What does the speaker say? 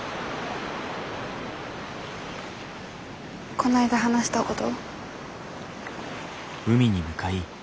こないだ話したごど？